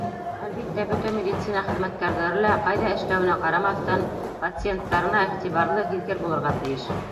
— Әлбиттә, бөтә медицина хеҙмәткәрҙәре лә, ҡайҙа эшләүенә ҡарамаҫтан, пациенттарына иғтибарлы, һиҙгер булырға тейеш.